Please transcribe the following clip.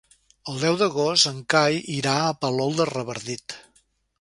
El deu d'agost en Cai irà a Palol de Revardit.